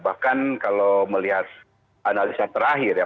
bahkan kalau melihat analisa terakhir ya